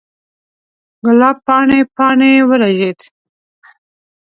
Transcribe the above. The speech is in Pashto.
ګلاب پاڼې، پاڼې ورژید